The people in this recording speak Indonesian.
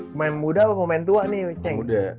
pemain muda apa pemain tua nih wiceng